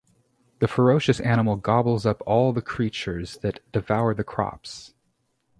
The ferocious animal gobbles up all the creatures that devour the crops.